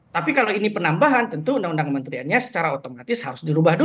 tapi kalau ini penambahan tentu undang undang kementeriannya secara otomatis harus dirubah dulu